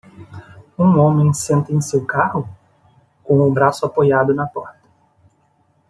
Um homem senta em seu carro? com o braço apoiado na porta.